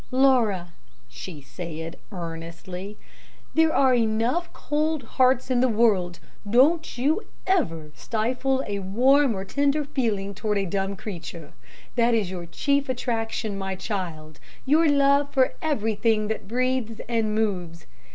"Laura," she said, earnestly, "there are enough cold hearts in the world. Don't you ever stifle a warm or tender feeling toward a dumb creature. That is your chief attraction, my child: your love for everything that breathes and moves.